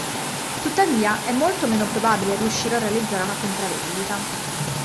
Tuttavia, è molto meno probabile riuscire a realizzare una compravendita.